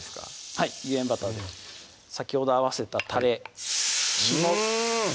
はい有塩バターで先ほど合わせたたれうん！